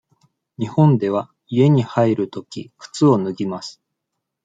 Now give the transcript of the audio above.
日本では家に入るとき、靴を脱ぎます。